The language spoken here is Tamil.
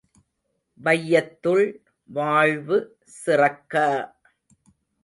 வையத்துள் வாழ்வு சிறக்க!